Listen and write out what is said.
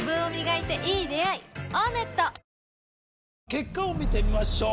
結果を見てみましょう。